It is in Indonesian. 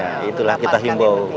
ya itulah kita himbau